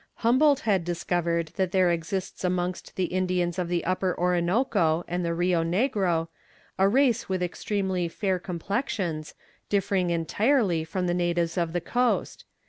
Humboldt had discovered that there exists amongst the Indians of the Upper Orinoco and the Rio Negro a race with extremely fair complexions, differing entirely from the natives of the coast.